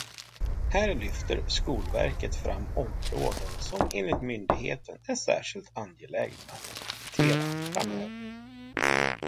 Här lyfter Skolverket fram områden som enligt myndigheten är särskilt angelägna att prioritera framöver.